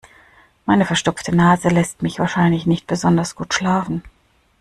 Meine verstopfte Nase lässt mich wahrscheinlich nicht besonders gut schlafen.